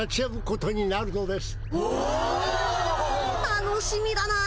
楽しみだな。